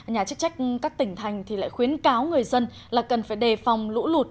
nhà chức trách các tỉnh thành thì lại khuyến cáo người dân là cần phải đề phòng lũ lụt